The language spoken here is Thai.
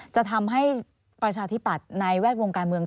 จะทำให้ประชาธิปัตย์ในแวดวงการเมือง